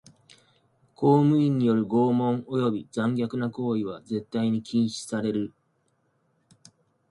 公務員による拷問および残虐な行為は絶対に禁止される。